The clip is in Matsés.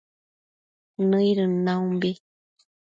nëidën naumbi